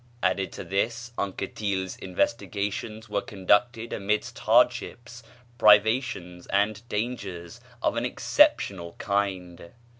Added to this, Anquetil's investigations were conducted amidst hardships, privations, and dangers of an exceptional kind.